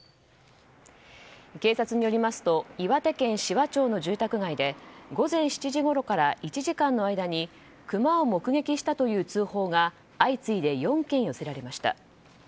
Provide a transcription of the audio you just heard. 警察によりますと岩手県紫波町の住宅街で午前７時ごろから１時間の間にクマを目撃したという通報が相次いで４件寄せられました。